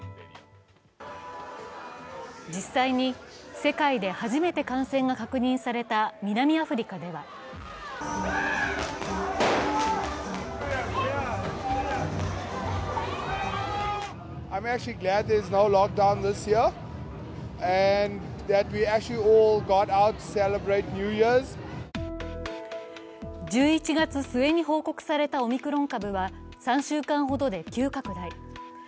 実際に、世界で初めて感染が確認された南アフリカでは１１月末に報告されたオミクロン株は３週間ほどで急拡大。